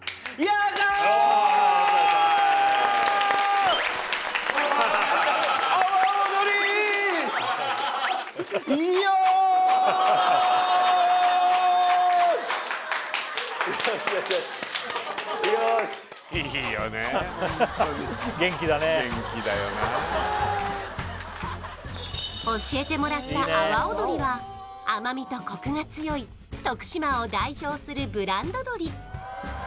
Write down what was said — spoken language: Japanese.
ホントに元気だね教えてもらった阿波尾鶏は甘みとコクが強い徳島を代表するブランド鶏